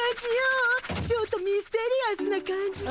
ちょっとミステリアスな感じで。